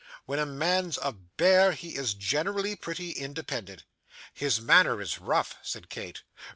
'When a man's a bear, he is generally pretty independent.' 'His manner is rough,' said Kate.